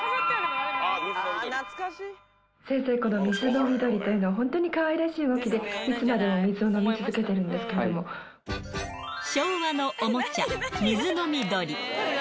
先生、この水飲み鳥というのは本当にかわいらしい動きで、いつまでも水昭和のおもちゃ、水飲み鳥。